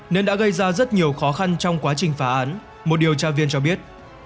nên đã gây ra rất nhiều khó khăn trong quá trình phá án một điều tra viên cho biết